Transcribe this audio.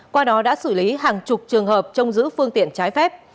qua đó đã xử lý hàng chục trường hợp trông giữ phương tiện trái phép